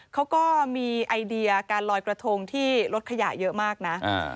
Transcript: เขาก็มีไอเดียการลอยกระทงที่ลดขยะเยอะมากนะ